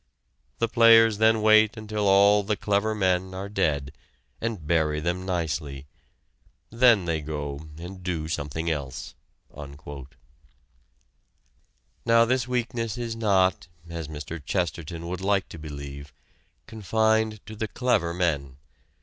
The players then wait until all the clever men are dead, and bury them nicely. They then go and do something else." Now this weakness is not, as Mr. Chesterton would like to believe, confined to the clever men.